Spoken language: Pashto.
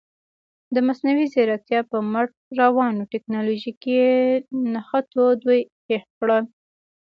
د مصنوعي زیرکتیا په مټ روانو تکنالوژیکي نښتو دوی هېښ کړل.